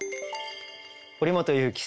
堀本裕樹選